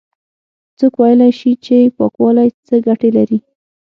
څوک ويلاى شي چې پاکوالی څه گټې لري؟